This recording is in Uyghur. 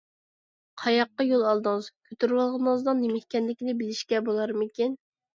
قاياققا يول ئالدىڭىز؟ كۆتۈرۈۋالغىنىڭىزنىڭ نېمە ئىكەنلىكىنى بىلىشكە بولارمىكىن؟